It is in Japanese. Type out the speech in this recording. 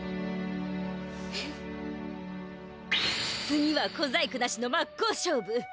次は小細工なしの真っ向勝負！